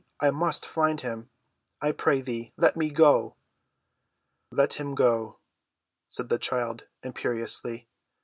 I must find him. I pray thee let me go!" "Let him go," said the child imperiously.